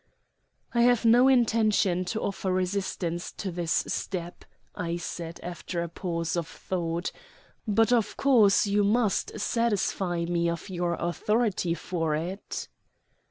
"I have no intention to offer resistance to this step," I said after a pause of thought; "but, of course, you must satisfy me of your authority for it."